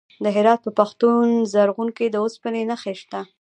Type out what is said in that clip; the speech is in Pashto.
د هرات په پښتون زرغون کې د وسپنې نښې شته.